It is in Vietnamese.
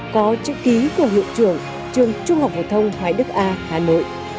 có chữ ký của hiệu trưởng trường trung học phổ thông hoài đức a hà nội